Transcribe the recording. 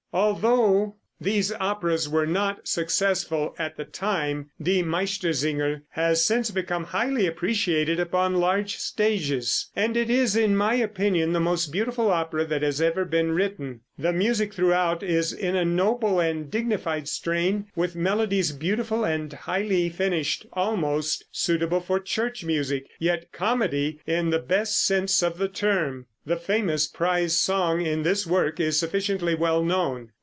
Although these operas were not successful at the time, "Die Meistersinger" has since become highly appreciated upon large stages, and it is in my opinion the most beautiful opera that has ever been written. The music throughout is in a noble and dignified strain, with melodies beautiful and highly finished, almost suitable for church music, yet comedy in the best sense of the term. The famous prize song in this work is sufficiently well known.